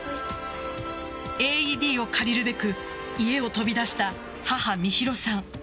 ＡＥＤを借りるべく家を飛び出した母・美弘さん。